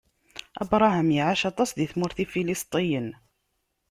Abṛaham iɛac aṭas di tmurt n Ifilistiyen.